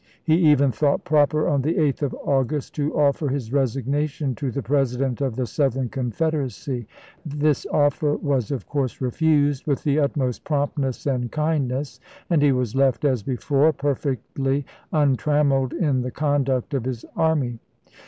He even thought proper, on the 8th of August, to offer his resignation to the President of the Southern Con federacy ; this offer was, of course, refused with the utmost promptness and kindness, and he was left, as before, perfectly untrammeled in the conduct of his army.